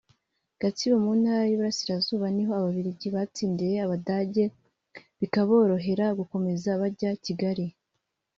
Gatsibo (mu Ntara y’Iburasirazuba) ni ho Ababiligi batsindiye Abadage bikaborohera gukomeza bajya Kigali